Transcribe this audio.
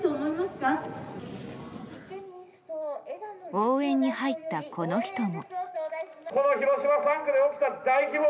応援に入った、この人も。